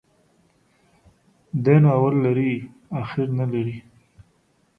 دى نو اول لري ، اخير نلري.